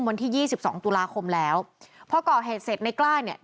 วันที่ยี่สิบสองตุลาคมแล้วพอก่อเหตุเสร็จในกล้าเนี่ย